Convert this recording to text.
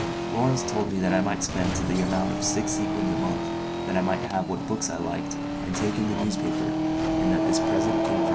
Lawrence told me that I might spend to the amount of six sequins a month, that I might have what books I liked, and take in the newspaper, and that this present came from M.